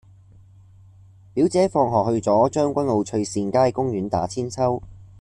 表姐放學去左將軍澳翠善街公園打韆鞦